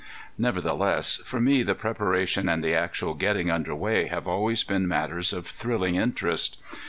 Nevertheless, for me the preparation and the actual getting under way have always been matters of thrilling interest.